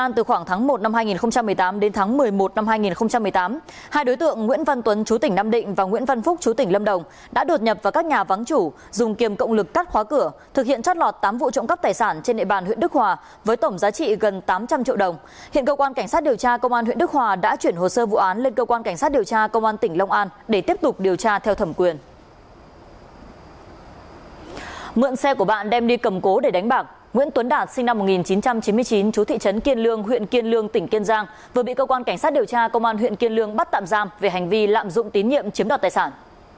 nguyễn tuấn đạt sinh năm một nghìn chín trăm chín mươi chín chú thị trấn kiên lương huyện kiên lương tỉnh kiên giang vừa bị cơ quan cảnh sát điều tra công an huyện kiên lương bắt tạm giam về hành vi lạm dụng tín nhiệm chiếm đoạt tài sản